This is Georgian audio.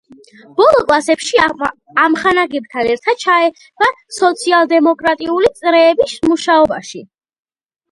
ბოლო კლასებში ამხანაგებთან ერთად ჩაება სოციალ-დემოკრატიული წრეების მუშაობაში.